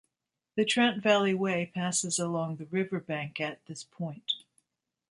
The Trent Valley Way passes along the riverbank at this point.